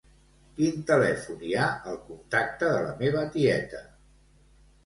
Quin telèfon hi ha al contacte de la meva tieta?